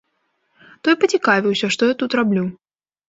Той пацікавіўся, што я тут раблю.